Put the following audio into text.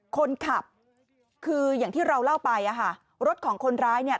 คนขับคืออย่างที่เราเล่าไปอ่ะค่ะรถของคนร้ายเนี่ย